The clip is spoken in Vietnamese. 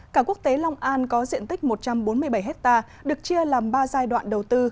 cảng quốc tế long an có diện tích một trăm bốn mươi bảy hectare được chia làm ba giai đoạn đầu tư